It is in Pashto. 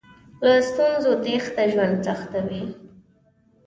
له ستونزو تېښته ژوند سختوي.